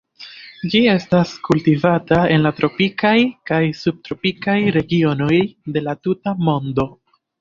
Ĝi estas kultivata en la tropikaj kaj subtropikaj regionoj de la tuta mondo.